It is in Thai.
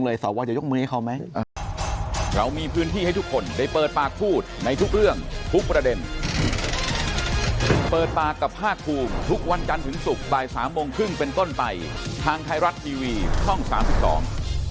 แล้วถ้าเกิดเขาไม่มีลุงเลยสอบว่าจะยกมือให้เขาไหม